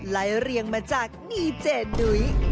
ไลฟ์เรียงมาจากนี่เจดุ๋ย